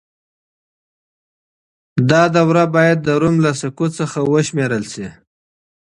دا دوره بايد د روم له سقوط څخه وشمېرل سي.